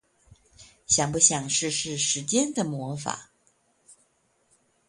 想不想試試時間的魔法